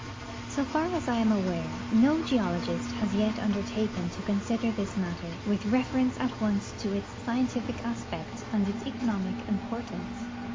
So far as I am aware, no geologist has yet undertaken to consider this matter with refer ence at once to its scientific aspect and its economic importance.